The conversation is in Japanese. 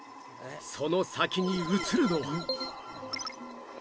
その先に映るのは？